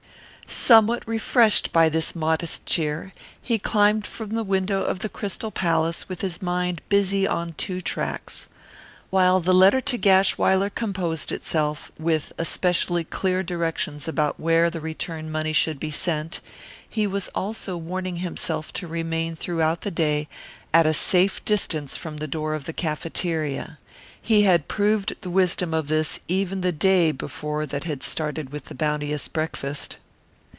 Somewhat refreshed by this modest cheer, he climbed from the window of the Crystal Palace with his mind busy on two tracks. While the letter to Gashwiler composed itself, with especially clear directions about where the return money should be sent, he was also warning himself to remain throughout the day at a safe distance from the door of the cafeteria. He had proved the wisdom of this even the day before that had started with a bounteous breakfast.